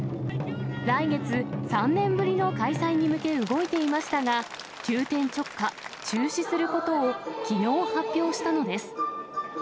来月、３年ぶりの開催に向け、動いていましたが、急転直下、中止することをきのう発表したのです。